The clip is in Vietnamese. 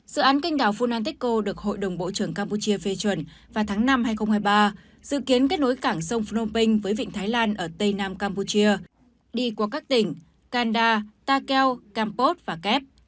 dự án canh đảo funanteko được hội đồng bộ trưởng campuchia phê chuẩn vào tháng năm hai nghìn hai mươi ba dự kiến kết nối cảng sông phnom penh với vịnh thái lan ở tây nam campuchia đi qua các tỉnh kanda takeo campot và kép